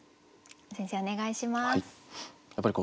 先生お願いします。